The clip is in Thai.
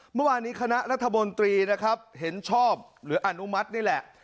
เมื่อวานนี้คณะรัฐมนตรีนะครับเห็นชอบหรืออนุมัตินี่แหละ